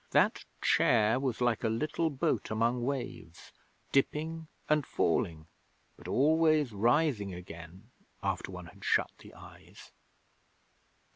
That chair was like a little boat among waves, dipping and falling, but always rising again after one had shut the eyes.'